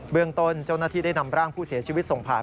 เมืองต้นเจ้าหน้าที่ได้นำร่างผู้เสียชีวิตส่งผ่าน